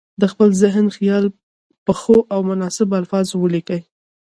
د خپل ذهن خیال په ښو او مناسبو الفاظو ولیکي.